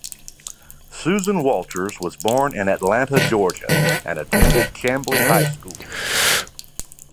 Susan Walters was born in Atlanta, Georgia and attended Chamblee High School.